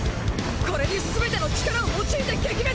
これにすべての力を用いて撃滅！！